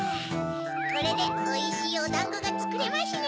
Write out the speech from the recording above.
これでおいしいおだんごがつくれましゅね！